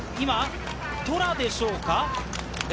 トラでしょうか？